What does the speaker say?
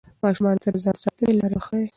ماشومانو ته د ځان ساتنې لارې وښایئ.